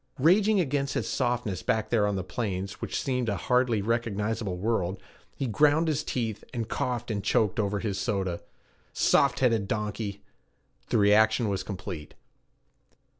Raging against his softness back there on the plains, which seemed a hardly recognizable world, he ground his teeth, and coughed and choked over his soda. Soft headed donkey! The reaction was complete.